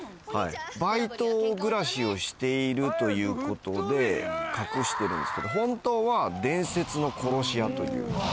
バイト暮らしをしているということで隠してるんですけど本当は伝説の殺し屋という。